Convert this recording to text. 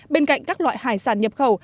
bên cạnh các loại hải sản nhập khẩu